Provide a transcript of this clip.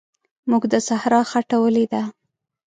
موږ د صحرا خټه ولیده.